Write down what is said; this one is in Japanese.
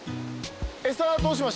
餌どうしました？